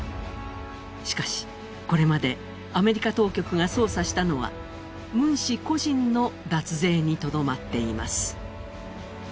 しかし、これまでアメリカ当局が捜査したのは、ムン氏個人の脱税にとどまっています。